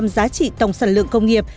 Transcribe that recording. ba mươi giá trị tổng sản lượng công nghiệp